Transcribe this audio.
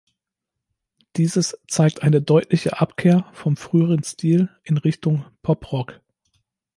Dieses zeigt eine deutliche Abkehr vom früheren Stil in Richtung Pop-Rock.